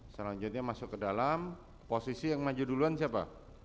selanjutnya masuk ke dalam posisi yang maju duluan siapa